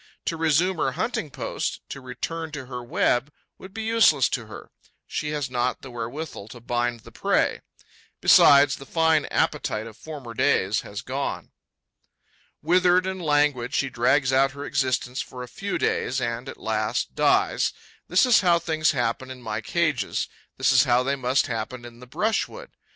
To resume her hunting post, to return to her web would be useless to her: she has not the wherewithal to bind the prey. Besides, the fine appetite of former days has gone. Withered and languid, she drags out her existence for a few days and, at last, dies. This is how things happen in my cages; this is how they must happen in the brushwood.